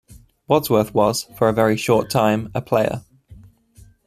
Wadsworth was, for a very short time, a player.